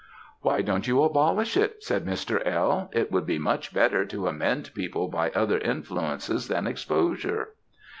"'Why don't you abolish it?' said Mr. L. 'It would be much better to amend people by other influences than exposure.'